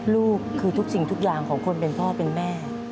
ลูกคือทุกสิ่งทุกอย่างของคนเป็นพ่อเป็นแม่